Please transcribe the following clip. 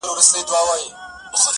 • مخ ته مي لاس راوړه چي ومي نه خوري.